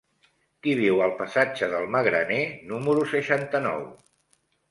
Qui viu al passatge del Magraner número seixanta-nou?